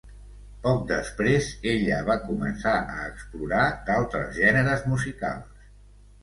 Poc després, ella va començar a explorar d'altres gèneres musicals.